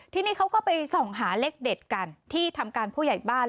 ที่นี่เขาก็ไปส่องหาเลขเด็ดกันที่ทำการผู้ใหญ่บ้าน